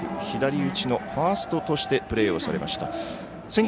左打ちのファーストとしてプレーをされました。